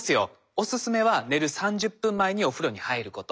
おすすめは寝る３０分前にお風呂に入ること。